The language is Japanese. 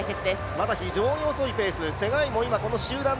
まだ非常に遅いペースです。